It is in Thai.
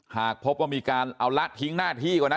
หากพบว่ามีการเอาละทิ้งหน้าที่ก่อนนะ